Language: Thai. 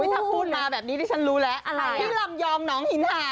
ถ้าพูดมาแบบนี้ดิฉันรู้แล้วอะไรที่ลำยองหนองหินหา